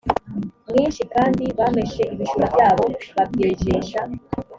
mwinshi kandi bameshe ibishura byabo babyejesha